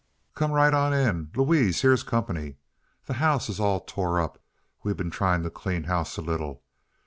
"Come right on in! Louise, here's comp'ny! The house is all tore up we been tryin' t' clean house a little.